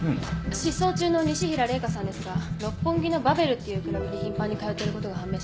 失踪中の西平麗香さんですが六本木のバベルっていうクラブに頻繁に通ってることが判明しました。